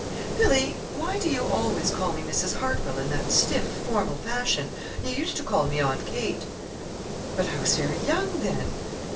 "Billy, why do you always call me 'Mrs. Hartwell' in that stiff, formal fashion? You used to call me 'Aunt Kate.'" "But I was very young then."